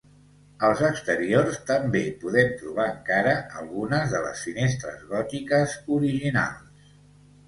Als exteriors, també podem trobar encara algunes de les finestres gòtiques originals.